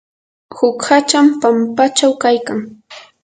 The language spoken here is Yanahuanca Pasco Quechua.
huk hacham pampachaw kaykan.